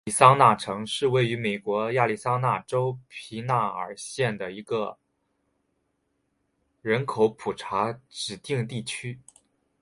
亚利桑那城是位于美国亚利桑那州皮纳尔县的一个人口普查指定地区。